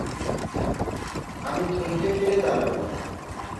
আমি থমকে ফিরে দাঁড়ালুম।